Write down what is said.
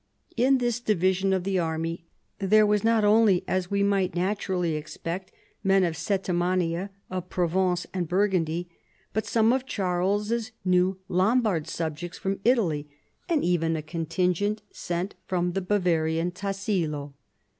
In this division of the army there were not only, as we might naturally expect, men of Septimania, of Provence and Burgundy, but some of Charles's new Lombard subjects from Italy : and even a contingent sent by the Bavarian Tassilo.